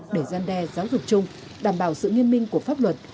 để gian đe giáo dục chung đảm bảo sự nghiêm minh của pháp luật